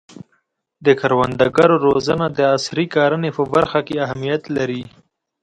د کروندګرو روزنه د عصري کرنې په برخه کې اهمیت لري.